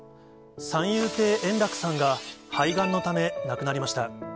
三遊亭円楽さんが肺がんのため亡くなりました。